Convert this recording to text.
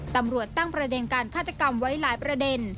ตำรวจตั้งประเด็นการฆาตกรรมไว้หลายประเด็น